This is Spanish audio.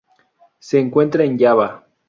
Se encuentra en Java.